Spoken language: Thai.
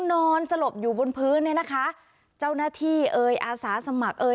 นอนสลบอยู่บนพื้นเนี่ยนะคะเจ้าหน้าที่เอ่ยอาสาสมัครเอ่ย